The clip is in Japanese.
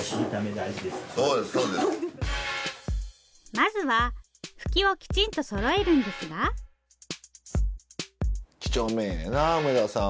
まずはフキをきちんとそろえるんですがきちょうめんやな梅沢さん。